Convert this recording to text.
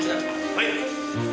はい。